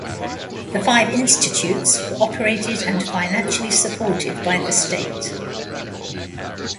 The five institutes were operated and financially supported by the state.